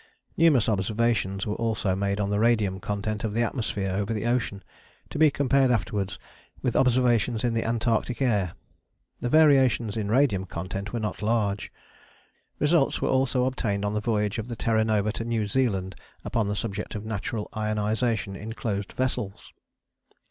Numerous observations were also made on the radium content of the atmosphere over the ocean, to be compared afterwards with observations in the Antarctic air. The variations in radium content were not large. Results were also obtained on the voyage of the Terra Nova to New Zealand upon the subject of natural ionization in closed vessels.